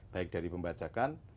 baik dari pembajakan